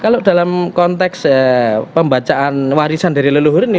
kalau dalam konteks pembacaan warisan dari leluhur ini